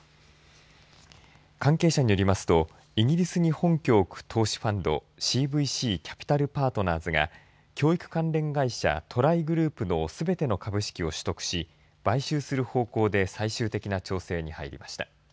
関係者によりますとイギリスに本拠を置く投資ファンドＣＶＣキャピタル・パートナーズが教育関連会社トライグループのすべての株式を取得し買収する方向で最終的な調整に入りました。